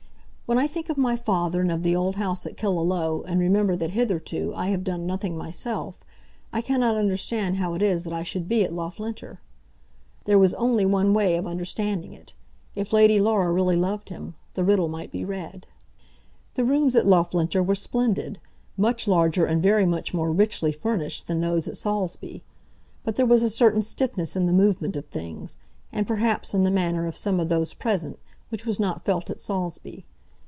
"When I think of my father and of the old house at Killaloe, and remember that hitherto I have done nothing myself, I cannot understand how it is that I should be at Loughlinter." There was only one way of understanding it. If Lady Laura really loved him, the riddle might be read. The rooms at Loughlinter were splendid, much larger and very much more richly furnished than those at Saulsby. But there was a certain stiffness in the movement of things, and perhaps in the manner of some of those present, which was not felt at Saulsby.